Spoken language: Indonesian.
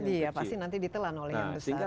iya pasti nanti ditelan oleh yang besar